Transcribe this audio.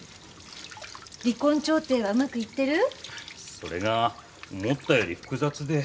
それが思ったより複雑で。